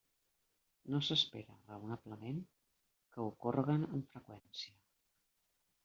No s'espera, raonablement, que ocórreguen amb freqüència.